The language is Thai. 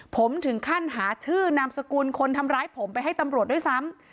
ผมถึงขั้นหาชื่อนามสกุลคนทำร้ายผมไปให้ตำรวจด้วยซ้ำ